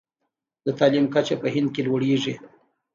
د تعلیم کچه په هند کې لوړیږي.